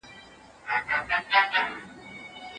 درسونه د ښوونکو له خوا برابرېږي.